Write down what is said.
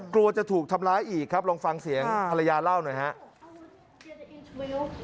กลัวจะถูกทำร้ายอีกครับลองฟังเสียงภรรยาเล่าหน่อยครับ